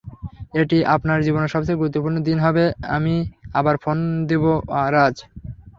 এটি আপনার জীবনের সবচেয়ে গুরুত্বপূর্ণ দিন হবে আমি আবার ফোন দিবো রাজ!